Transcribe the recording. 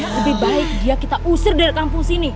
lebih baik dia kita usir dari kampung sini